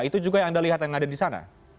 itu juga yang anda lihat yang ada di sana